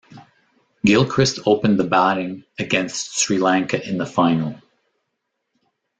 Gilchrist opened the batting against Sri Lanka in the final.